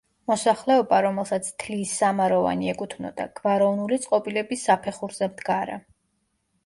მოსახლეობა, რომელსაც თლიის სამაროვანი ეკუთვნოდა, გვაროვნული წყობილების საფეხურზე მდგარა.